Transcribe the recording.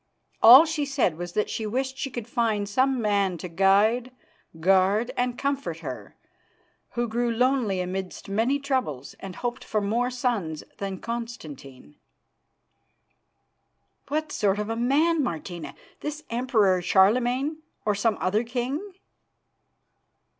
All she said was that she wished she could find some man to guide, guard and comfort her, who grew lonely amidst many troubles, and hoped for more sons than Constantine." "What sort of a man, Martina? This Emperor Charlemagne, or some other king?"